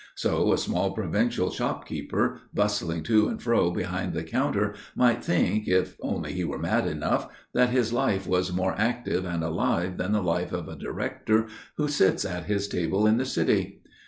So a small provincial shopkeeper, bustling to and fro behind the counter, might think, if only he were mad enough, that his life was more active and alive than the life of a director who sits at his table in the City.